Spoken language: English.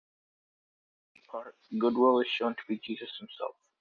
In the Second Part, Goodwill is shown to be Jesus himself.